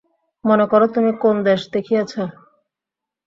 মনে কর, তুমি কোন দেশ দেখিয়াছ।